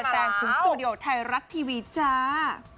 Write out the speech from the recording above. พี่จ๋า